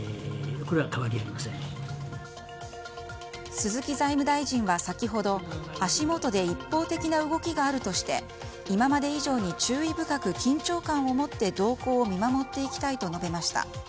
鈴木財務大臣は先ほど足元で一方的な動きがあるとして今まで以上に注意深く緊張感を持って動向を見守っていきたいと述べました。